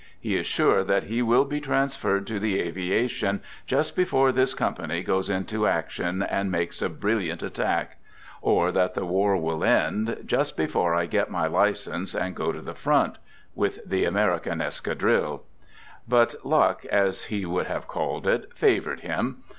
He is sure that he will be transferred to the aviation, "just before this company goes into action and makes a brilliant attack "; or that the war will end, " just before I get my license and go to the front "— with the American Escadrille. But luck, as he would have called it, favored him.